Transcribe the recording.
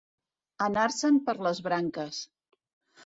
Anar-se'n per les branques.